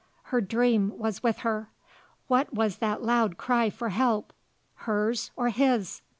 Her dream was with her. What was that loud cry for help, hers or his?